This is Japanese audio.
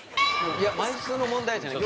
いや枚数の問題じゃない。